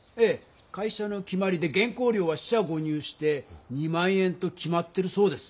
会社の決まりで原稿料は四捨五入して２万円と決まってるそうです。